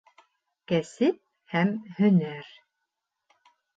Кәсеп һәм һөнәр